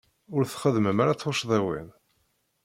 Ur txeddmem ara tuccḍiwin.